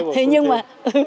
thế nhưng mà